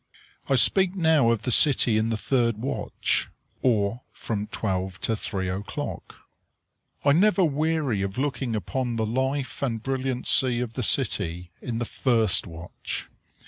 I speak now of the city in the third watch, or from twelve to three o'clock. I never weary of looking upon the life and brilliancy of the city in the first watch.